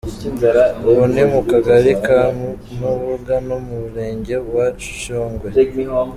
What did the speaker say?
Ubu ni mu kagari ka Mubuga mu Murenge wa Shyogwe.